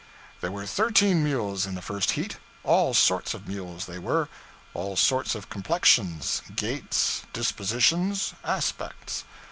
There were thirteen mules in the first heat; all sorts of mules, they were; all sorts of complexions, gaits, dispositions, aspects.